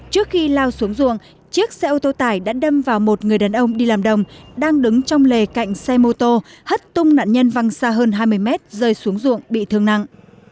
trước khi lao xuống ruộng chiếc xe ô tô tải đã đâm vào một người đàn ông đi làm đồng đang đứng trong lề cạnh xe mô tô hất tung nạn nhân văng xa hơn hai mươi mét rơi xuống ruộng bị thương nặng